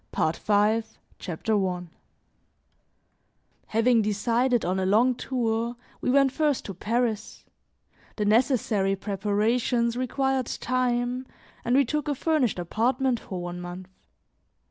PART V CHAPTER I HAVING decided on a long tour, we went first to Paris; the necessary preparations required time and we took a furnished apartment for one month.